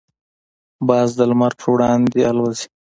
باز د لمر پر وړاندې الوزي.